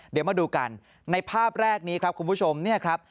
เดี๋ยวมาดูกันในภาพแรกนี้ครับคุณผู้ชมเนี่ยครับ